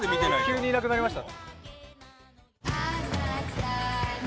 急にいなくなりましたね。